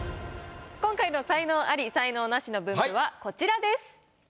今回の才能アリ・才能ナシの分布はこちらです。